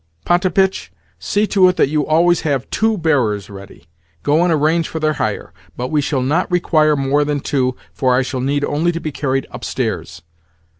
Potapitch, see to it that you always have two bearers ready. Go and arrange for their hire. But we shall not require more than two, for I shall need only to be carried upstairs.